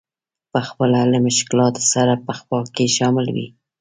په خپله له مشکلاتو سره په خوا کې شامل وي.